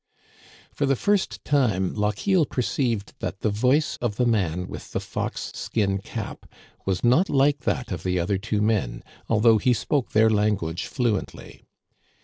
For the first time Lochiel perceived that the voice of the man with the fox skin cap was not like that of the other two men, although he spoke their language fluently.